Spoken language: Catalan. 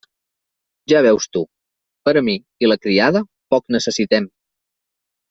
Ja veus tu, per a mi i la criada poc necessitem.